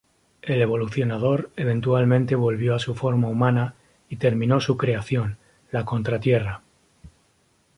El Evolucionador eventualmente volvió a su forma humana y terminó su creación, la Contra-Tierra.